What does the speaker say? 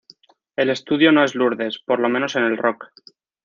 El estudio no es Lourdes, por lo menos en el rock.